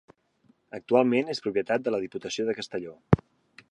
Actualment és propietat de la Diputació de Castelló.